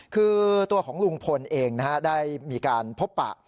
คือตัวของลุงพลเองได้มีการพบปะ